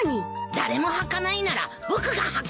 誰もはかないなら僕がはく！